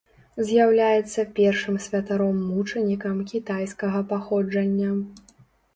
З'яўляецца першым святаром-мучанікам кітайскага паходжання.